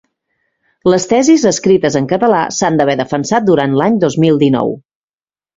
Les tesis, escrites en català, s'han d'haver defensat durant l'any dos mil dinou.